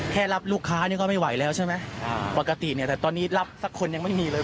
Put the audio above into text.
แค่รับลูกค้าเนี่ยก็ไม่ไหวแล้วใช่ไหมปกติเนี่ยแต่ตอนนี้รับสักคนยังไม่มีเลย